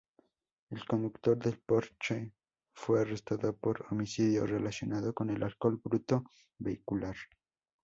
El conductor del Porsche fue arrestado por "homicidio relacionado con el alcohol bruto vehicular".